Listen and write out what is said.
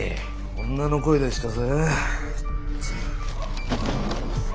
女の声でしたぜ。